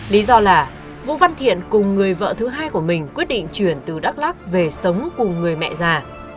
lý do là vũ văn thiện cùng người vợ thứ hai của mình quyết định chuyển từ đắk lắc về sống cùng người mẹ già